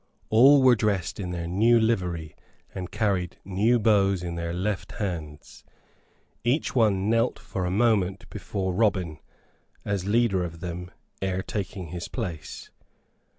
All were dressed in their new livery, and carried new bows in their left hands. Each one knelt for a moment before Robin, as leader of them, ere taking his place.